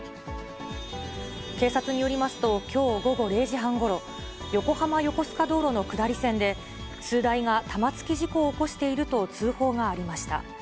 警察によりますと、きょう午後０時半ごろ、横浜横須賀道路の下り線で、数台が玉突き事故を起こしていると通報がありました。